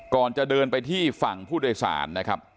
ก่อนจะเดินไปที่ฝั่งผู้โดยสารนะครับ